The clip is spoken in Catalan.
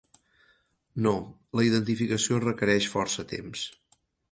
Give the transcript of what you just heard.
No, la identificació requereix força temps.